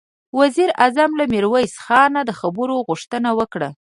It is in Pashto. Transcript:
وزير اعظم له ميرويس خانه د خبرو غوښتنه وکړه.